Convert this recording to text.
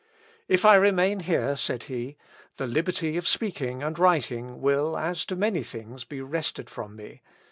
"If I remain here," said he, "the liberty of speaking and writing will, as to many things, be wrested from me.